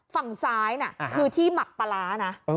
ฝั่งซ้ายน่ะคือที่หมักปลาร้านะ